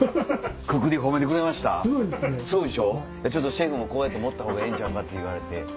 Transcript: シェフもこうやって盛ったほうがええんちゃうか？って言われて。